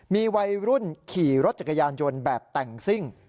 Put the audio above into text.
มีวัยรุ่นขี่รถจักรยานยนต์แบบแต่งซิ่ง